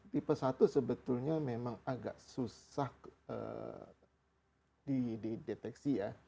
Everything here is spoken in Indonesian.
tipe satu sebetulnya memang agak susah dideteksi ya